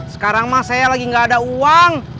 sekarang mah saya lagi gak ada uang